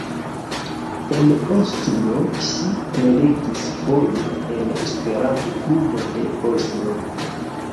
En Oslo ŝi prelegis foje en Esperanto-klubo de Oslo.